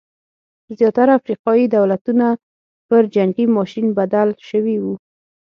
زیاتره افریقايي دولتونه پر جنګي ماشین بدل شوي وو.